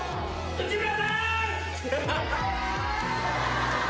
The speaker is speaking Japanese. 内村さーん。